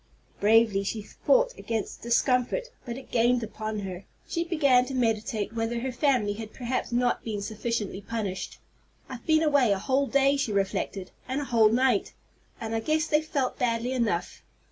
Bravely she fought against the discomfort, but it gained upon her. She began to meditate whether her family had perhaps not been sufficiently punished. "I've been away a whole day," she reflected, "and a whole night, and I guess they've felt badly enough.